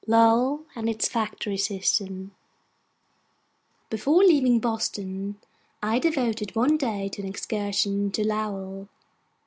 LOWELL AND ITS FACTORY SYSTEM BEFORE leaving Boston, I devoted one day to an excursion to Lowell.